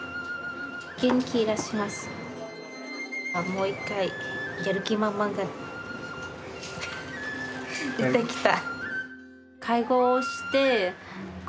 もう一回やる気満々が出てきた。